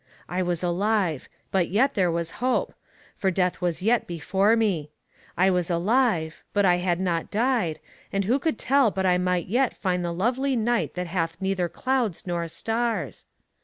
I was alive, but yet there was hope, for Death was yet before me! I was alive, but I had not died, and who could tell but I might yet find the lovely night that hath neither clouds nor stars!